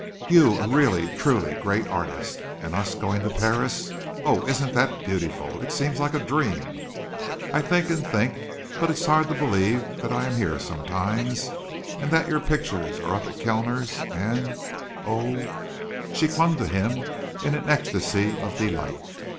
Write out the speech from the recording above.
You a really, truly, great artist! And us going to Paris! Oh, isn't that beautiful. It seems like a dream. I think and think, but it's hard to believe that I am here sometimes, and that your pictures are up at Kellner's and oh! " she clung to him in an ecstasy of delight.